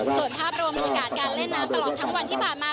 ส่วนภาพรวมบรรยากาศการเล่นน้ำตลอดทั้งวันที่ผ่านมา